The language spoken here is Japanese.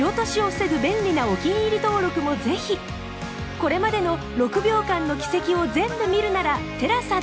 これまでの『６秒間の軌跡』を全部見るなら ＴＥＬＡＳＡ で